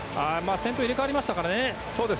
先頭が入れ替わりましたかね。